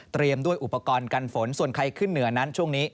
ด้วยอุปกรณ์กันฝนส่วนใครขึ้นเหนือนั้นช่วงนี้